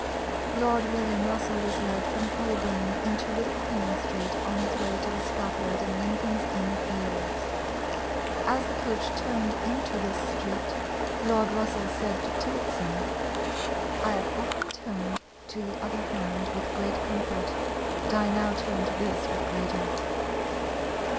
Lord William Russell was led from Holborn into Little Queen Street on his way to the scaffold in Lincoln's Inn Fields. As the coach turned into this street, Lord Russell said to Tillotson, "I have often turned to the other hand with great comfort, but I now turn to this with greater."